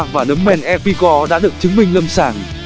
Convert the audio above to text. và nấm men epico đã được chứng minh lâm sàng